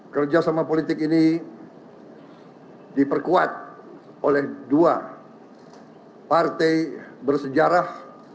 kerjasama politik ini diperkuat oleh dua partai bersejarah